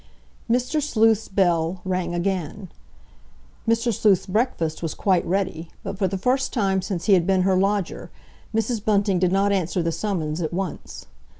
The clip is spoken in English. Mr. Sleuth's bell rang again. Mr. Sleuth's breakfast was quite ready, but for the first time since he had been her lodger Mrs. Bunting did not answer the summons at once.